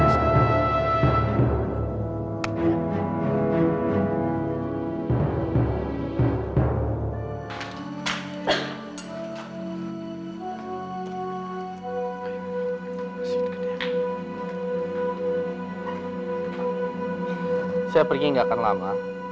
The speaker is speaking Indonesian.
saya pergi tidak akan lama